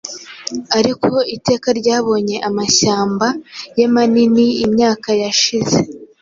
Ariko Iteka ryabonye amashyamba ye manini Imyaka yashize,